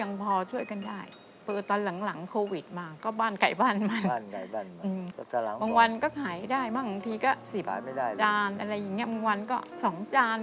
สิบจานอะไรอย่างนี้บางวันก็สองจาน